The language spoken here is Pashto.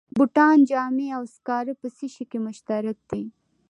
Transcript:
بوټان، جامې او سکاره په څه شي کې مشترک دي